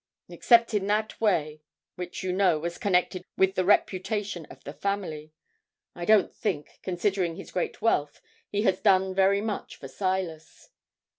Except in that way which, you know, was connected with the reputation of the family I don't think, considering his great wealth, he has done very much for Silas.